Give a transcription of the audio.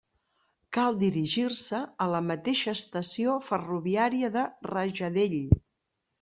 Cal dirigir-se a la mateixa estació ferroviària de Rajadell.